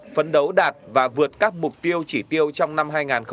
phấn đấu đạt và vượt các mục tiêu chỉ tiêu trong năm hai nghìn hai mươi